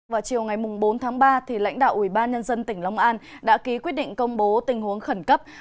vào chiều ngày bốn tháng ba lãnh đạo ủy ban nhân dân tỉnh long an đã ký quyết định công bố tình huống khẩn cấp